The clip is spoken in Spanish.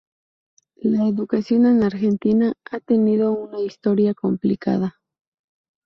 La educación en Argentina ha tenido una historia complicada.